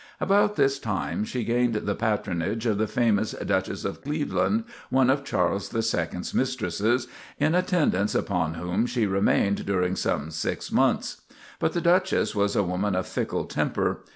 About this time she gained the patronage of the famous Duchess of Cleveland, one of Charles the Second's mistresses, in attendance upon whom she remained during some six months. But the Duchess was a woman of fickle temper.